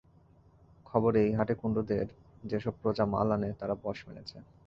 খবর এই, হাটে কুণ্ডুদের যে-সব প্রজা মাল আনে তারা বশ মেনেছে।